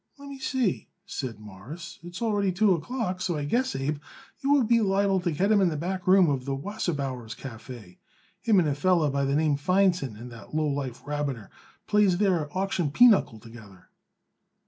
"Let me see," said Morris. "It's already two o'clock, so I guess, Abe, you would be liable to get him in the back room of Wasserbauer's Café. Him and a feller by the name Feinson and that lowlife Rabiner plays there auction pinochle together."